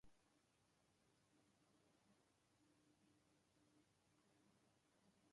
caso o processo esteja na instância originária: